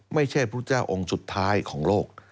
ไม่ใช่พุทธเจ้าองค์สุดท้ายของโลก